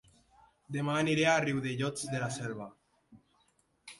Dema aniré a Riudellots de la Selva